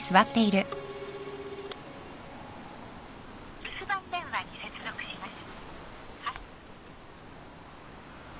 留守番電話に接続します。